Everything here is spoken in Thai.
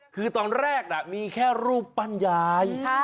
คือตอนแรกมีแค่รูปปั้นยาย